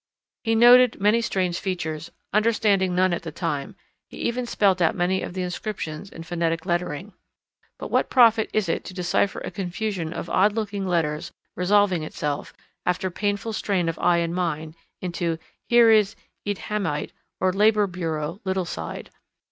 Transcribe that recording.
He noted many strange features, understanding none at the time; he even spelt out many of the inscriptions in Phonetic lettering. But what profit is it to decipher a confusion of odd looking letters resolving itself, after painful strain of eye and mind, into "Here is Eadhamite," or, "Labour Bureau Little Side"?